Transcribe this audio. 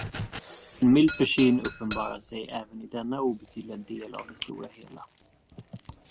En mild försyn uppenbarar sig även i denna obetydliga del av det stora hela.